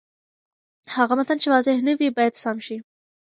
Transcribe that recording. هغه متن چې واضح نه وي، باید سم شي.